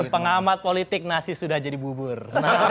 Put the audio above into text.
pengamat politik nasi sudah jadi bubur